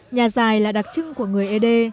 nhà dài là đặc trưng của người ấy đê